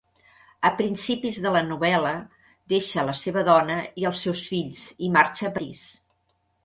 A principis de la novel·la, deixa la seva dona i els seus fills i marxa a París.